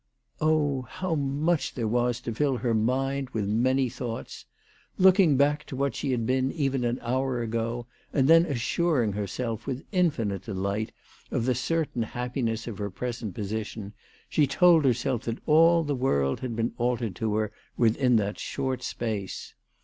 Oh, how much there was to fill her mind with many thoughts ! Looking back to what she had been even an hour ago, and then assuring herself with infinite delight of the certain happiness of her present position, she told herself that all the world had been altered to her within that short space.